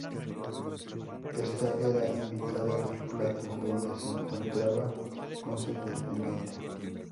Ésta era invitada al plató dónde se encontraba con su pretendiente.